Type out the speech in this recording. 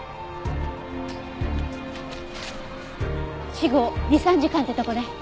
死後２３時間ってとこね。